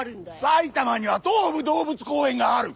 埼玉には東武動物公園がある！